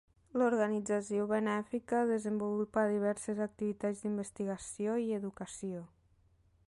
L'organització benèfica desenvolupa diverses activitats d'investigació i educació.